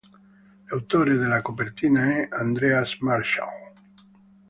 L'autore della copertina è Andreas Marschall.